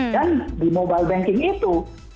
dan di mobile banking itu